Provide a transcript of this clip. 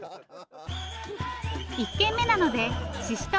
１軒目なのでししと